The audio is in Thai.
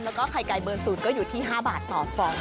แล้วก็ไข่ไก่เบอร์๐ก็อยู่ที่๕บาทต่อฟอง